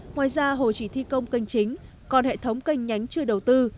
ngoài ra hồ chỉ thi công kênh chính còn hệ thống kênh nhánh chưa đầu tư